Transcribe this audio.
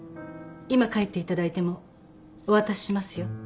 今帰っていただいてもお渡ししますよ。